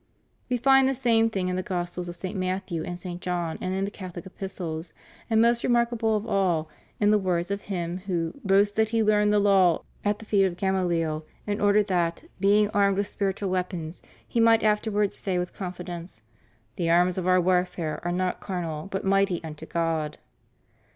We find the same things in the Gospels of St. Matthew and St. John and in the Cathohc Epistles; and, most remarkable of all, in the words of him who "boasts that he learned the law at the feet of Gamahel, in order that, being armed with spiritual weapons, he might after wards say with confidence, 'the arms of our warfare are not carnal but mighty unto God.'"